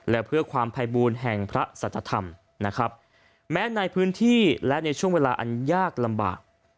และเพื่อความภัยบูรณ์แห่งพระสัจธรรมนะครับแม้ในพื้นที่และในช่วงเวลาอันยากลำบาก